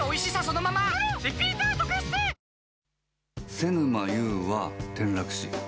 瀬沼優は転落死。